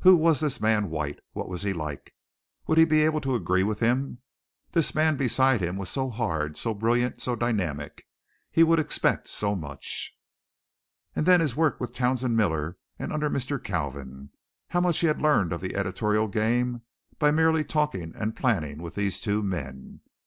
Who was this man White? What was he like? Would he be able to agree with him? This man beside him was so hard, so brilliant, so dynamic! He would expect so much. And then his work with Townsend Miller and under Mr. Kalvin. How much he had learned of the editorial game by merely talking and planning with those two men!